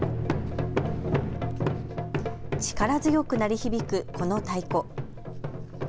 力強く鳴り響くこの太鼓。